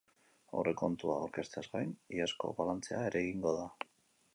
Aurrekontua aurkezteaz gain, iazko balantzea ere egingo da.